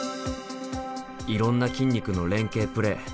いろんな筋肉の連係プレー。